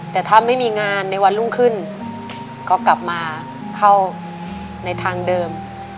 แต่ถ้าไม่มีงานในวันรุ่งขึ้นก็กลับมาเข้าในทางเดิม